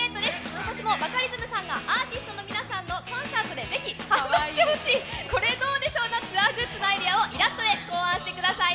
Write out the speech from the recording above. ことしもバカリズムさんがアーティストの皆さんのコンサートでぜひ、してほしい、これどうでしょうのツアーグッズをイラストで紹介してください